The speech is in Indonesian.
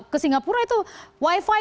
ke singapura itu wifi